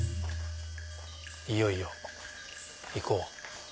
いよいよ行こう。